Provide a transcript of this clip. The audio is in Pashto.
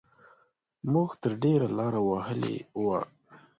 موږ تر ډېره لاره وهلې وه.